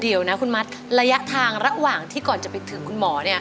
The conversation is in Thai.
เดี๋ยวนะคุณมัดระยะทางระหว่างที่ก่อนจะไปถึงคุณหมอเนี่ย